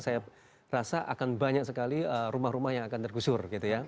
saya rasa akan banyak sekali rumah rumah yang akan tergusur